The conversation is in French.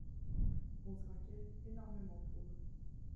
On s'inquiète énormément pour eux.